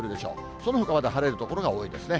そのほかは晴れる所が多いですね。